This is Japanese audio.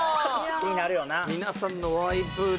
気になるよな